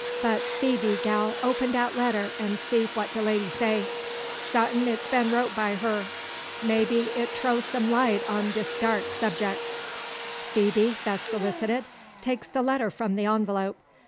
But, Phoebe, gal, open dat letter, an' see what de lady say. Satin it's been wrote by her. Maybe it trow some light on dis dark subjeck." Phoebe, thus solicited, takes the letter from the envelope.